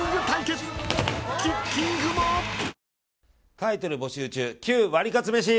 タイトル募集中旧ワリカツめし。